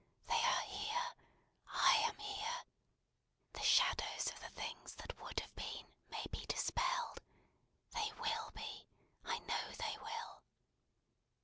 They are here I am here the shadows of the things that would have been, may be dispelled. They will be. I know they will!"